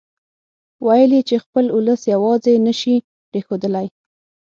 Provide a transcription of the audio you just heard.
ويل يې چې خپل اولس يواځې نه شي پرېښودلای.